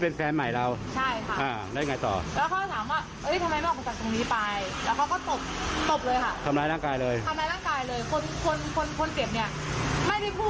คือแฟนเราพยายามหลบ